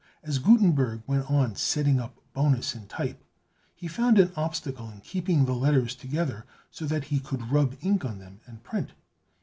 As Gutenberg went on setting up bonus in type, he found an obstacle in keeping the letters together, so that he could rub ink on them and print.